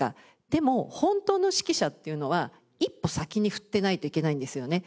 でも本当の指揮者っていうのは一歩先に振ってないといけないんですよね。